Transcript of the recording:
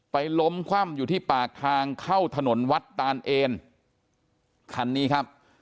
ล้มคว่ำอยู่ที่ปากทางเข้าถนนวัดตานเอนคันนี้ครับ